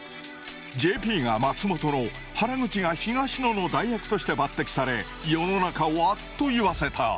ＪＰが松本の原口が東野の代役として抜てきされ世の中をあっと言わせた。